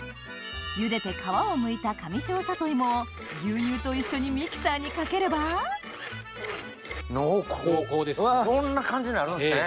ゆでて皮をむいた上庄さといもを牛乳と一緒にミキサーにかければ濃厚こんな感じになるんですね